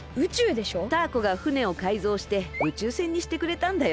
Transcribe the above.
タアコが船をかいぞうして宇宙船にしてくれたんだよ。